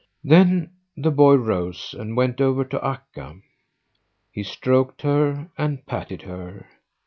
Then the boy rose and went over to Akka; he stroked her and patted her.